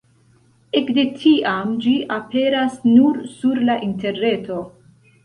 Ekde tiam ĝi aperas nur sur la interreto.